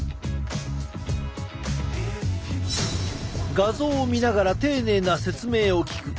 画像を見ながら丁寧な説明を聞く。